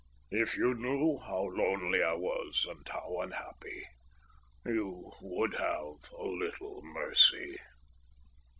"If you knew how lonely I was and how unhappy, you would have a little mercy."